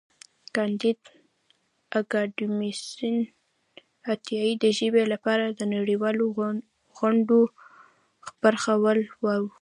کانديد اکاډميسن عطايي د ژبې لپاره د نړیوالو غونډو برخه وال و.